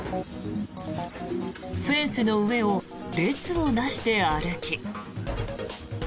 フェンスの上を列を成して歩き。